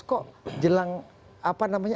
kok jelang apa namanya